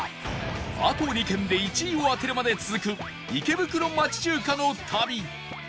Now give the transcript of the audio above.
あと２軒で１位を当てるまで続く池袋町中華の旅